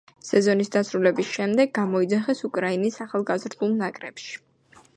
სეზონის დასრულების შემდეგ გამოიძახეს უკრაინის ახალგაზრდულ ნაკრებში.